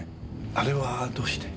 あれはどうして？